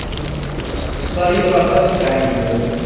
Tesseqsayeḍ aṭas Dda Ḥemmu.